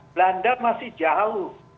belanda masih jauh